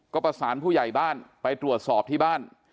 ก็ประสานผู้ใหญ่บ้านไปตรวจสอบที่บ้าน